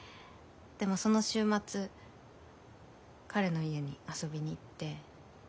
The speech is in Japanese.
でもその週末彼の家に遊びに行って。